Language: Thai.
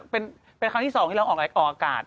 เป็นครั้งที่สองที่เราออกอากาศ